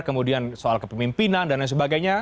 kemudian soal kepemimpinan dan lain sebagainya